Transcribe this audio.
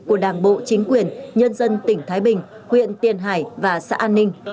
của đảng bộ chính quyền nhân dân tỉnh thái bình huyện tiền hải và xã an ninh